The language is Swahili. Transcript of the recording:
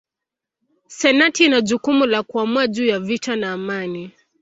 Senati ina jukumu la kuamua juu ya vita na amani.